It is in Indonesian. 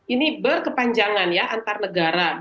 ini berkepanjangan ya antar negara